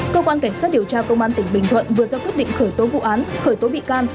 cơ quan cảnh sát điều tra công an tỉnh bình thuận vừa ra quyết định khởi tố vụ án khởi tố bị can